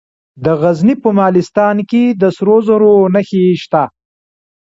د غزني په مالستان کې د سرو زرو نښې شته.